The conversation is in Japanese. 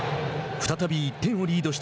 再び１点をリードした